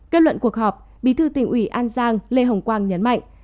kết luận cuộc họp bí thư tỉnh ủy an giang lê hồng quang nhấn mạnh